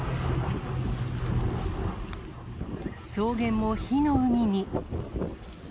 草原も火の海に。